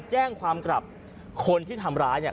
แจ้งความกับคนที่ทำร้าย